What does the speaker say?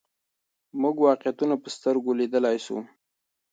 موږ واقعیتونه په سترګو لیدلای سو.